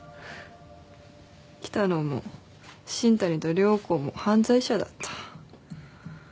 喜多野も新谷と涼子も犯罪者だった。